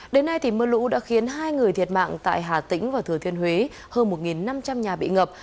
đến nay mưa lũ đã khiến hai người thiệt mạng tại hà tĩnh và thừa thiên huế hơn một năm trăm linh nhà bị ngập